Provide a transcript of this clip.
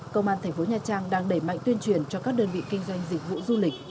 công an thành phố nha trang đang đẩy mạnh tuyên truyền cho các đơn vị kinh doanh dịch vụ du lịch